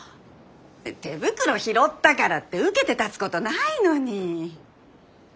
手袋拾ったからって受けて立つことないのに。